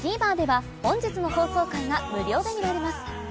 ＴＶｅｒでは本日の放送回が無料で見られます